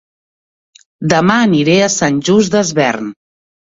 Dema aniré a Sant Just Desvern